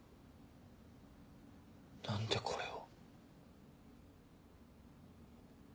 何でこれを？